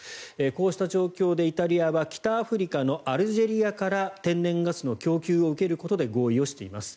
こうした状況でイタリアは北アフリカのアルジェリアから天然ガスの供給を受けることで合意しています。